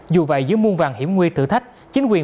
dù vậy dưới muôn vàng hiểm nguyên thử thách